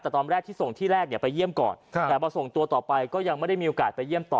แต่ตอนแรกที่ส่งที่แรกเนี่ยไปเยี่ยมก่อนแต่พอส่งตัวต่อไปก็ยังไม่ได้มีโอกาสไปเยี่ยมต่อ